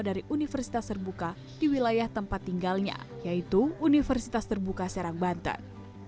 dari universitas terbuka di wilayah tempat tinggalnya yaitu universitas terbuka serang banten